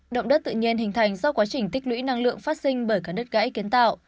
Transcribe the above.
động đất tự nhiên hình thành do quá trình tích lũy năng lượng phát sinh bởi cả đất gãy kiến tạo